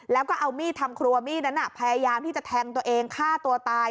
แล้วก็เอามีดทำครัวมีดนั้นพยายามที่จะแทงตัวเองฆ่าตัวตาย